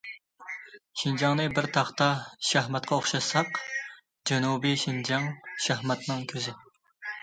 شىنجاڭنى بىر تاختا شاھماتقا ئوخشاتساق، جەنۇبىي شىنجاڭ« شاھماتنىڭ كۆزى».